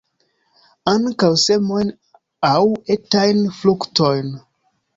Ankaŭ semojn aŭ etajn fruktojn.